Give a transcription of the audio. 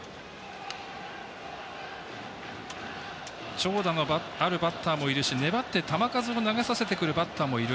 長打のあるバッターもいるし粘って球数を投げさせてくるバッターもいる。